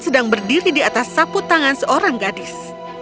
sedang berdiri di atas sapu tangan seorang gadis